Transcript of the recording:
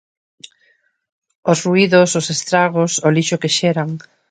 Os ruídos, os estragos, o lixo que xeran.